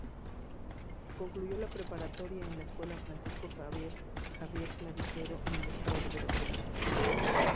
Concluyó la preparatoria en la escuela Francisco Javier Clavijero, en el estado de Veracruz.